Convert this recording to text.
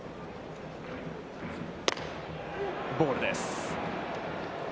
ボールです。